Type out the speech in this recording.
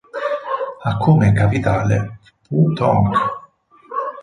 Ha come capitale Phu Thong.